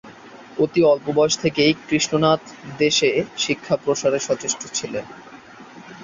অতি অল্প বয়স থেকেই কৃষ্ণনাথ দেশে শিক্ষা প্রসারের সচেষ্ট ছিলেন।